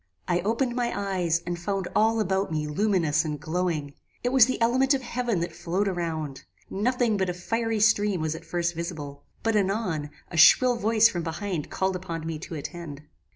"I opened my eyes and found all about me luminous and glowing. It was the element of heaven that flowed around. Nothing but a fiery stream was at first visible; but, anon, a shrill voice from behind called upon me to attend.